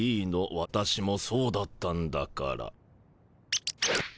私もそうだったんだから」。